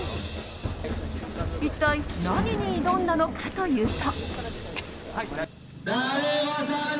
一体、何に挑んだのかというと。